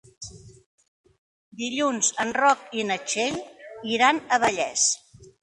Dilluns en Roc i na Txell iran a Vallés.